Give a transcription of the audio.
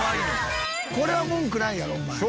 これは文句ないやろお前。